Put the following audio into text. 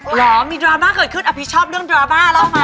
เหรอมีดราม่าเกิดขึ้นอภิชอบเรื่องดราม่าเล่ามา